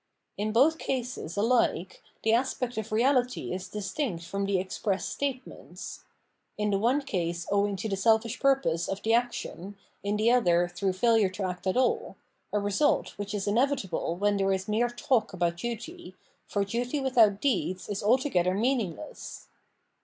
In both cases alike the aspect of reahty is distinct from the express statements — ^in the one case owing to the selfish purpose of the action, in the other through failure to act at all, a result which is inevitable when there is mere talk about duty, for duty without deeds is altogether meaningless.